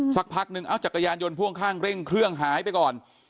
สักพักนึงเอาจักรยานยนต์พ่วงข้างเร่งเครื่องหายไปก่อน